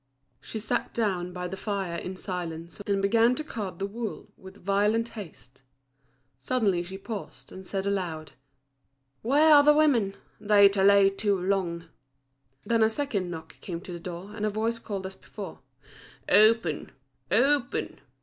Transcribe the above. She sat down by the fire in silence, and began to card the wool with violent haste. Suddenly she paused, and said aloud: "Where are the women? they delay too long." Then a second knock came to the door, and a voice called as before, "Open! open!"